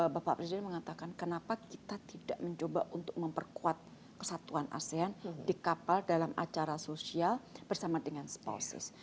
bapak presiden mengatakan kenapa kita tidak mencoba untuk memperkuat kesatuan asean di kapal dalam acara sosial bersama dengan spalsies